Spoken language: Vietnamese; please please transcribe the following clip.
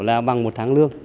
là bằng một tháng lương